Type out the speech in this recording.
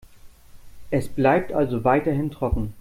Es bleibt also weiterhin trocken.